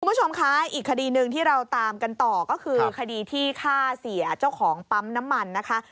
คุณผู้ชมคะอีกคดีหนึ่งที่เราตามกันต่อก็คือคดีที่ฆ่าเสียเจ้าของปั๊มน้ำมันนะคะ